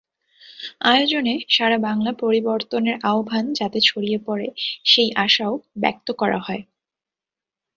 আয়োজনে সারা বাংলা পরিবর্তনের আহ্বান যাতে ছড়িয়ে পড়ে, সেই আশাও ব্যক্ত করা হয়।